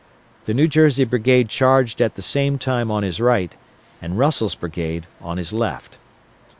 The New Jersey brigade charged at the same time on his right, and Russell's brigade on his left.